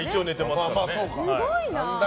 すごいな。